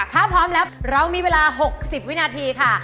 ถ้าพร้อมแล้วเรามีเวลา๖๐วินาทีค่ะ